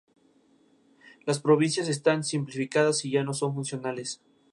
Las provincias están 'simplificadas' y ya no son funcionales.